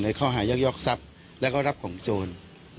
ข้อหายักยอกทรัพย์แล้วก็รับของโจร